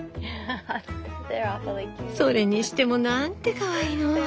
それにしてもなんてかわいいの！